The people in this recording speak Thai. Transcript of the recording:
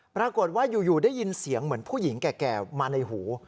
ปรากฏว่าอยู่ได้ยินเสียงเหมือนผู้หญิงแก่มาในหู